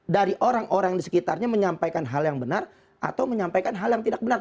dari orang orang di sekitarnya menyampaikan hal yang benar atau menyampaikan hal yang tidak benar